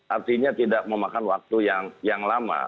artinya tidak memakan waktu yang lama